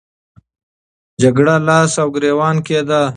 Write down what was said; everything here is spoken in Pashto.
جګړه لاس او ګریوان کېده.